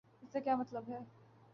اس کا کیا مطلب ہے؟